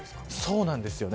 そうなんですよね。